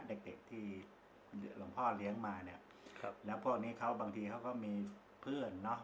เด็กเด็กที่หลวงพ่อเลี้ยงมาเนี่ยครับแล้วพวกนี้เขาบางทีเขาก็มีเพื่อนเนอะ